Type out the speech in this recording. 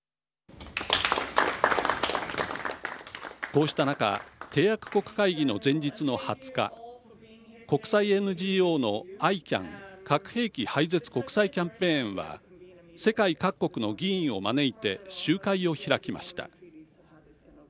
こうした中締約国会議の前日の２０日国際ＮＧＯのＩＣＡＮ＝核兵器廃絶国際キャンペーンは世界各国の議員を招いて集会を開きました。